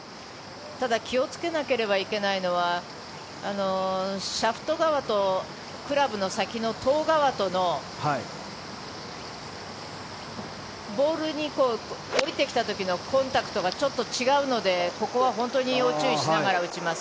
ただ、気をつけなければいけないのはシャフト側とクラブの先のトウ側とのボールに下りてきた時のコンタクトがちょっと違うのでここは本当に注意しながら打ちます。